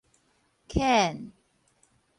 犬